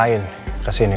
apa yang kebetulan kamu